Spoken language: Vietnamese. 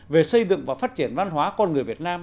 về xây dựng và phát triển văn hóa con người việt nam